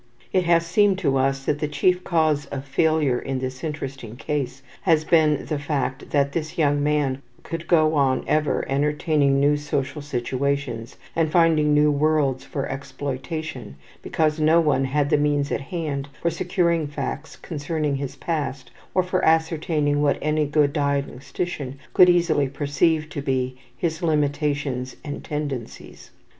It has seemed to us that the chief cause of failure in this interesting case has been the fact that this young man could go on ever entering new social situations and finding new worlds for exploitation because no one had the means at hand for securing facts concerning his past or for ascertaining what any good diagnostician could easily perceive to be his limitations and tendencies.